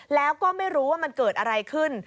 แล้วก็ไม่รู้ว่ามันเกิดอะไรขึ้น